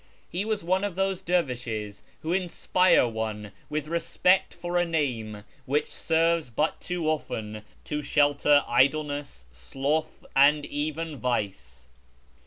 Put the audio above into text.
He was one of those dervishes who inspire one with respect for a name which serves but too often to shelter idleness, sloth, and even vice.